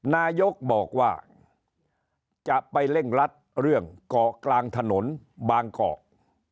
นายกบอกว่าจะไปเร่งรัดเรื่องเกาะกลางถนนบางกอก